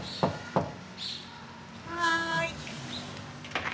はい。